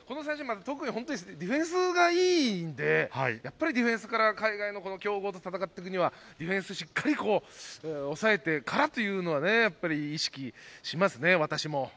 ディフェンスがまたいいんで、やはりディフェンスから海外の強豪と戦っていくにはディフェンスをしっかりおさえてからというのが意識しますね、私も。